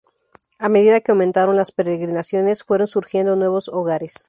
A medida que aumentaron las peregrinaciones fueron surgiendo nuevos hogares.